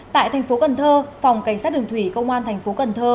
tại thành phố cần thơ phòng cảnh sát đường thủy công an thành phố cần thơ